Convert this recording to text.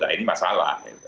nah ini masalah